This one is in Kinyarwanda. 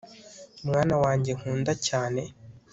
mwana wanjye nkunda cyane